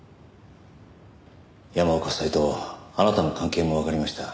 山岡夫妻とあなたの関係もわかりました。